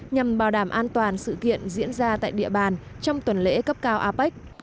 nhằm bảo đảm an toàn sự kiện diễn ra tại địa bàn trong tuần lễ cấp cao apec